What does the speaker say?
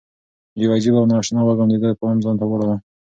یو عجیب او نا اشنا وږم د ده پام ځان ته واړاوه.